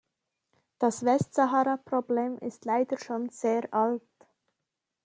Das Westsaharaproblem ist leider schon sehr alt.